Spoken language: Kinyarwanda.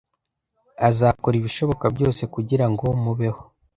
Azakora ibishoboka byose kugira ngo mubeho.